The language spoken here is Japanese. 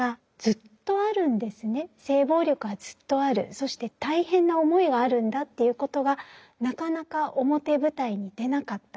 そして大変な思いがあるんだということがなかなか表舞台に出なかった。